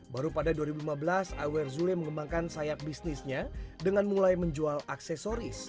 baru pada dua ribu lima belas awer zule mengembangkan sayap bisnisnya dengan mulai menjual aksesoris